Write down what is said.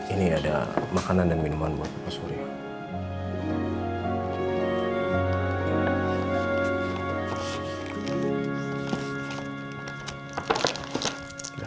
ini ada makanan dan minuman buat pak surya